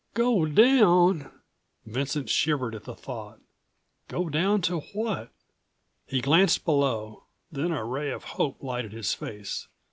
"Go down!" Vincent shivered at the thought. Go down to what? He glanced below, then a ray of hope lighted his face.